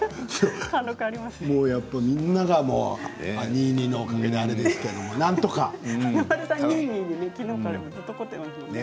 もう、みんながニーニーのおかげであれですけれどもなんとかね。